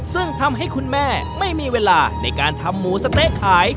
ซึ่งทำให้คุณแม่ไม่มีเวลาในการทำหมูสะเต๊ะขาย